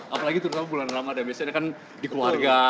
apalagi terutama bulan ramadhan biasanya kan di keluarga